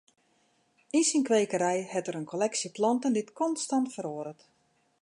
Yn syn kwekerij hat er in kolleksje planten dy't konstant feroaret.